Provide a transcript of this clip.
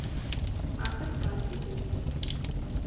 Ахэр классым исых.